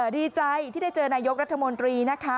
ดีใจที่ได้เจอนายกรัฐมนตรีนะคะ